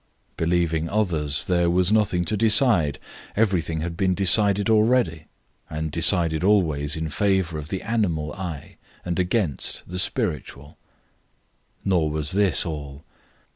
Believing others there was nothing to decide; everything had been decided already, and decided always in favour of the animal I and against the spiritual. Nor was this all.